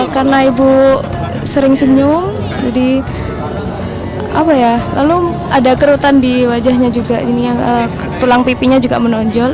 karena ibu sering senyum jadi apa ya lalu ada kerutan di wajahnya juga tulang pipinya juga menonjol